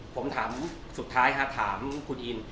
ผมถามสุดท้ายถามคุณอิน